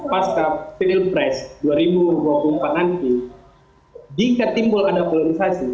pasca pilpres dua ribu dua puluh empat nanti jika timbul ada polarisasi